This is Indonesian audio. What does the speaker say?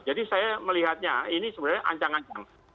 jadi saya melihatnya ini sebenarnya ancang ancang